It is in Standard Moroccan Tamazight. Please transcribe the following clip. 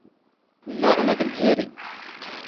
ⵎⵎⴰⵖⵏ ⴰⴽⴷ ⵣⵉⵔⵉ.